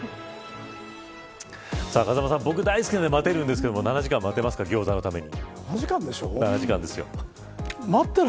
風間さん、僕大好きなので待てるんですけど７時間待てますかギョーザのために。